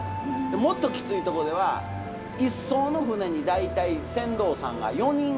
もっときついとこでは一艘の船に大体船頭さんが４人乗ってたらしいんですけど。